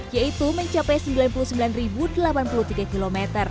yaitu mencapai sembilan puluh sembilan delapan puluh tiga km